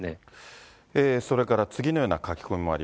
それから次のような書き込み